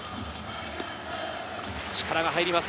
力が入ります。